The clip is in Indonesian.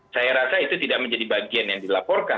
saya rasa itu tidak menjadi bagian yang dilaporkan